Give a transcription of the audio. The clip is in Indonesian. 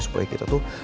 supaya kita tuh